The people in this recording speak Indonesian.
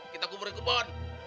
kita kubur di kebun